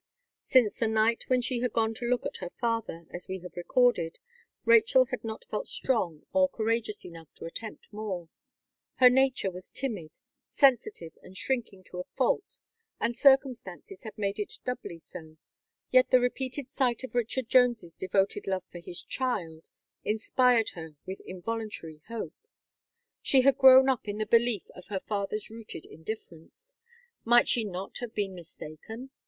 Since the night when she had gone to look at her father, as we have recorded, Rachel had not felt strong or courageous enough to attempt more. Her nature was timid, sensitive and shrinking to a fault, and circumstances had made it doubly so, yet the repeated sight of Richard Jones's devoted love for his child, inspired her with involuntary hope. She had grown up in the belief of her father's rooted indifference; might she not have been mistaken?